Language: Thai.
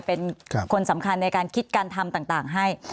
เป็นคนสำคัญในการคิดการทำต่างให้